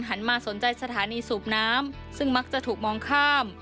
มาสนใจสถานีสูบน้ำซึ่งมักจะถูกมองข้าม